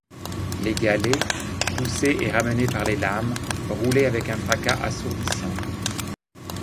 Les galets, poussés et ramenés par les lames, roulaient avec un fracas assourdissant.